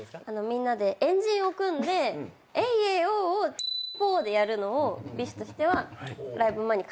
みんなで円陣を組んでエイエイオーをぽでやるのをＢｉＳＨとしてはライブ前に必ず。